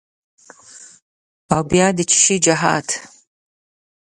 او بیا د چیشي جهاد؟